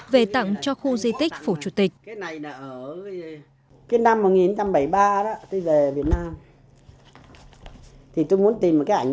về tặng cho khu di tích phủ chủ tịch